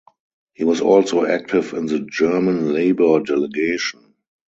He was also active in the German Labour Delegation.